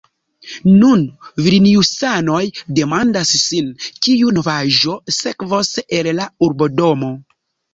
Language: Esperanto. Nun vilniusanoj demandas sin, kiu novaĵo sekvos el la urbodomo.